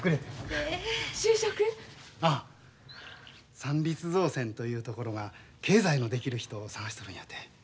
三立造船というところが経済のできる人を探しとるんやて。